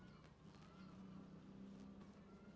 menjadi kemampuan anda